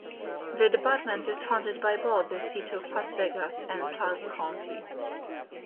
The department is funded by both the City of Las Vegas and Clark County.